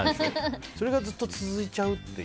それが、ずっと続いちゃうっていう。